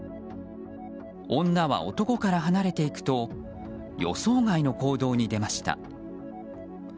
女は男から離れていくと予想外の行動に出ました。